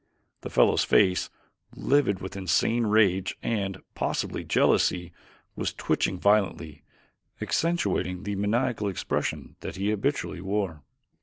The fellow's face, livid with insane rage and, possibly, jealousy, was twitching violently, accentuating the maniacal expression that it habitually wore.